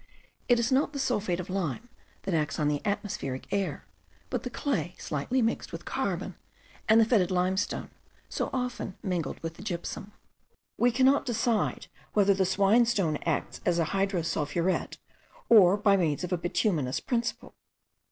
It is not the sulphate of lime that acts on the atmospheric air, but the clay slightly mixed with carbon, and the fetid limestone, so often mingled with the gypsum. We cannot yet decide, whether the swinestone acts as a hydrosulphuret, or by means of a bituminous principle.